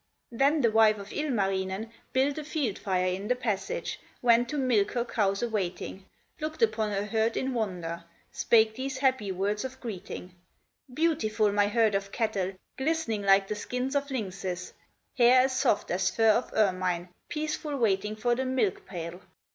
Then the wife of Ilmarinen Built a field fire in the passage, Went to milk her cows awaiting, Looked upon her herd in wonder, Spake these happy words of greeting: "Beautiful, my herd of cattle, Glistening like the skins of lynxes, Hair as soft as fur of ermine, Peaceful waiting for the milk pail!"